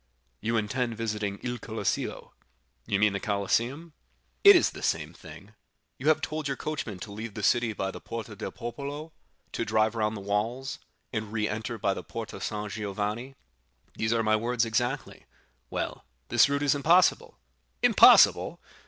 "You intend visiting Il Colosseo." "You mean the Colosseum?" "It is the same thing. You have told your coachman to leave the city by the Porta del Popolo, to drive round the walls, and re enter by the Porta San Giovanni?" "These are my words exactly." "Well, this route is impossible." "Impossible!"